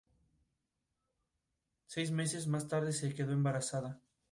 Seis meses más tarde se quedó embarazada.